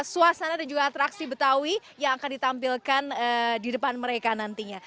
suasana dan juga atraksi betawi yang akan ditampilkan di depan mereka nantinya